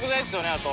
あと。